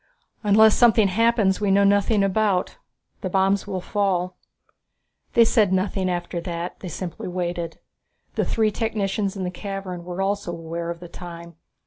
"Unless something happens that we know nothing about, the bombs will fall." They said nothing after that they simply waited. The three technicians in the cavern were also aware of the time.